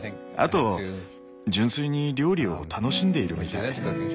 あと純粋に料理を楽しんでいるみたい。